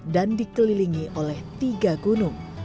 dan dikelilingi oleh tiga gunung